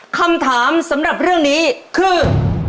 คำถามสำหรับเรื่องนี้คือ